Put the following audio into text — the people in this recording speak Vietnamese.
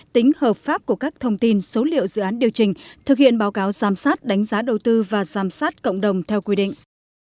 tính hợp pháp của các thông tin số liệu dự án điều chỉnh thực hiện báo cáo giám sát đánh giá đầu tư và giám sát cộng đồng theo quy định